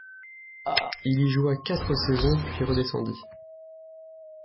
Il y joua quatre saisons puis redescendit.